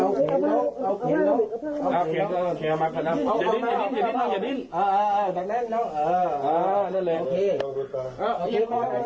เกรงโอเค